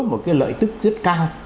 một cái lợi tức rất cao